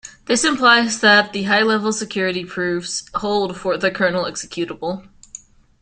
This implies that the high-level security proofs hold for the kernel executable.